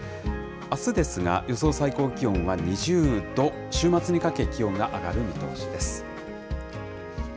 あすですが、予想最高気温は２０度、週末にかけ気温が上がる見通しです。